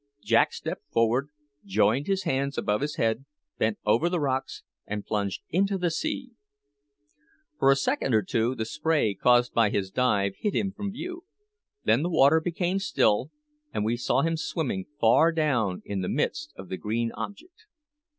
Jack stepped forward, joined his hands above his head, bent over the rocks, and plunged into the sea. For a second or two the spray caused by his dive hid him from view; then the water became still, and we saw him swimming far down in the midst of the green object.